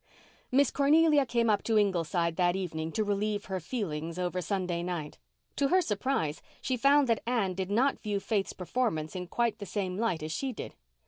Miss Cornelia came up to Ingleside that evening to relieve her feelings over Sunday night. To her surprise she found that Anne did not view Faith's performance in quite the same light as she did.